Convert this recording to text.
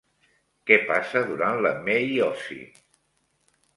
Què passa durant la meiosi?